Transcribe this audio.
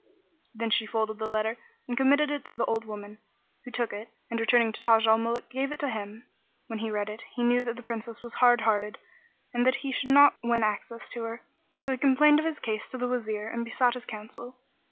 Then she folded the letter and committed it to the old woman, who took it and returning to Taj al Muluk, gave it to him. When he read it, he knew that the Princess was hard hearted and that he should not win access to her; so he complained of his case to the Wazir and besought his counsel.